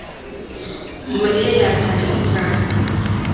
mariya yatashye cyane